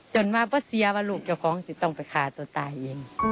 จนม้ากูเสียดัวลูกเจ้าของต้องเลยขาตัวตาย